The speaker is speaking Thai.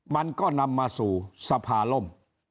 มันก็นำมาสู่สภาล่ม